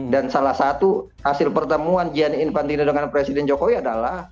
dan salah satu hasil pertemuan gianni infantino dengan presiden jokowi adalah